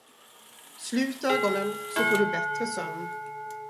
Slut ögonen, så får du bättre sömn.